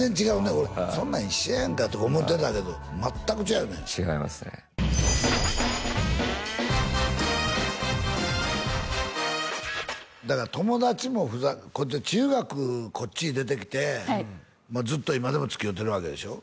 そんなん一緒やんかとか思ってたけど全く違うよね違いますねだから友達も中学こっちへ出てきてずっと今でもつきおうてるわけでしょ？